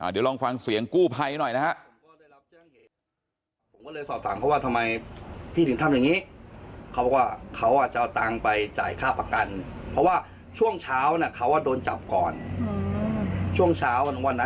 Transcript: เดี๋ยวลองฟังเสียงกู้ภัยหน่อยนะฮะ